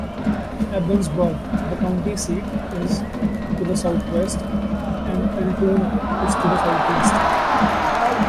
Ebensburg, the county seat, is to the southwest, and Altoona is to the southeast.